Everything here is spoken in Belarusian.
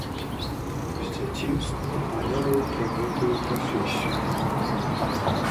З дзяцінства марыў пра гэтую прафесію.